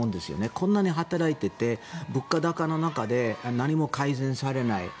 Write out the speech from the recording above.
こんなに働いていて物価高の中で何も改善されない。